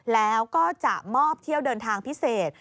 แล้วก็จะมอบเที่ยวเดินทางพิเศษ